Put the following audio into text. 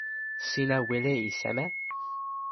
sina wile e seme?